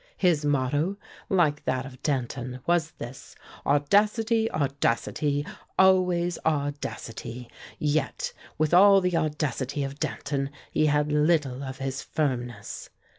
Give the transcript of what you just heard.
His motto, like that of Danton, was this: 'Audacity, audacity, always audacity!' Yet with all the audacity of Danton, he had little of his firmness.